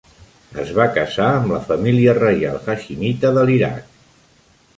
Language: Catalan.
Es va casar amb la família reial haiximita de l'Iraq.